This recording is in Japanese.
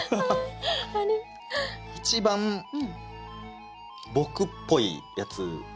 一番僕っぽいやつ。